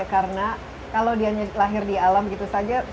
karena kalau dia lahir di alam begitu saja